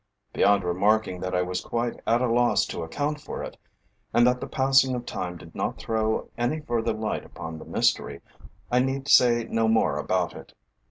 Beyond remarking that I was quite at a loss to account for it, and that the passing of time did not throw any further light upon the mystery, I need say no more about it.